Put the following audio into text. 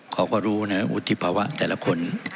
เขาก็รู้นะวุฒิภาวะแต่ละคน